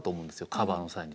カバーの際に。